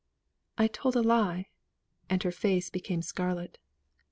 "I told a lie;" and her face became scarlet.